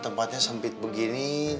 tempatnya sempit begini